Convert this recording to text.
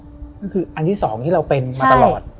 ก็คืออันที่สองที่เราเป็นมาตลอด